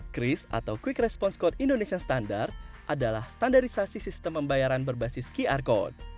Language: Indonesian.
kris atau quick response code indonesia standar adalah standarisasi sistem pembayaran berbasis qr code